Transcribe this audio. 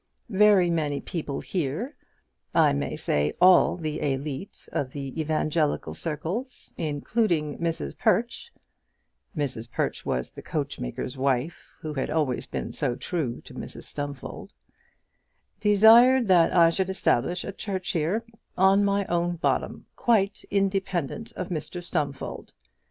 Very many people here, I may say all the elite of the evangelical circles, including Mrs Perch [Mrs Perch was the coachmaker's wife, who had always been so true to Mrs Stumfold] desired that I should establish a church here, on my own bottom, quite independent of Mr Stumfold.